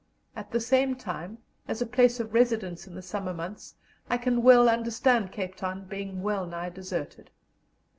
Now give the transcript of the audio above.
At the same time, as a place of residence in the summer months, I can well understand Cape Town being wellnigh deserted.